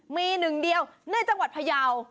มีหนึ่งเดียวในจังหวัดพยาว